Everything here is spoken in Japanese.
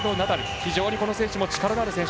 非常にこの選手も力のある選手。